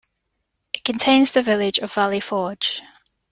It contains the village of Valley Forge.